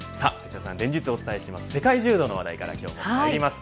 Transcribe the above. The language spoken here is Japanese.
連日お伝えしている世界柔道の話題からまいります。